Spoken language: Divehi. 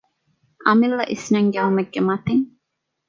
އަމިއްލަ އިސްނެންގެވުމެއްގެ މަތިން